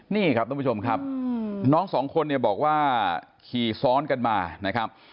นี่ครับทุกผู้ชมครับน้องสองคนเนี่ยบอกว่าขี่ซ้อนกันมานะครับ